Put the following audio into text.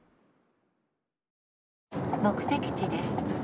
「目的地です」。